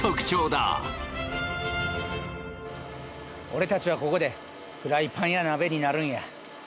俺たちはここでフライパンや鍋になるんや。